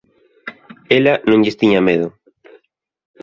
Ela non lles tiña medo.